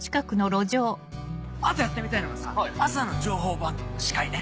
あとやってみたいのはさ朝の情報番組の司会ね。